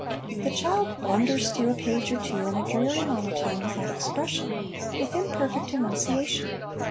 The child blunders through a page or two in a dreary monotone without expression, with imperfect enunciation.